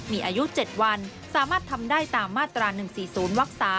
มีอายุ๗วันสามารถทำได้ตามมาตรา๑๔๐วัก๓